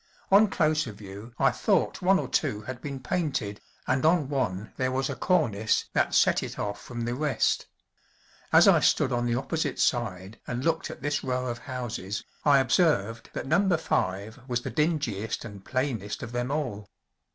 On closer view I thought one or two had been painted, and on one there was a cornice that set it off from the rest. As I stood on the opposite side and looked at this row of houses, I observed that Number Five was the dingiest and plainest of them all.